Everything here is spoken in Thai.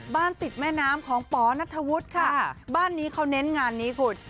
ติดแม่น้ำของปนัทธวุฒิค่ะบ้านนี้เขาเน้นงานนี้คุณ